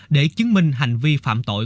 để chứng minh hành vi phạm tội